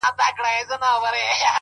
خپلي خبري خو نو نه پرې کوی؛